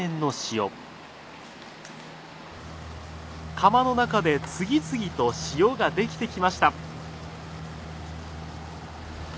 釜の中で次々と塩ができてきました。